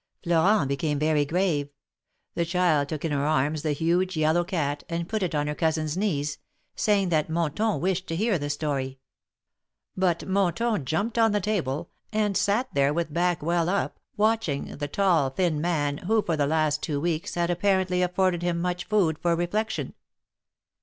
Florent became very grave. The child took in her arms the huge yellow cat, and put it on her cousin's knees, saying that Monton wished to hear the story. But Mon ton jumped on the table, and sat there with back well up, watching the tall, thin man, who for the last two weeks had apparently afforded him much food for reflection.